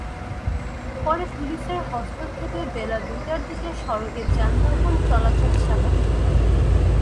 পরে পুলিশের হস্তক্ষেপে বেলা দুইটার দিকে সড়কে যানবাহন চলাচল স্বাভাবিক হয়।